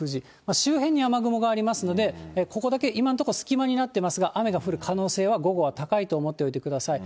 周辺に雨雲がありますので、ここだけ、今のところ隙間になっていますが、雨が降る可能性は、午後は高いと思っておいてください。